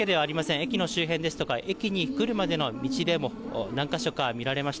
駅の周辺ですとか、駅に来るまでの道でも、何か所か見られました。